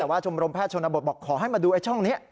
แต่ว่าชมรมแพทย์ชนบทบอกขอให้มาดูไอ้ช่องนี้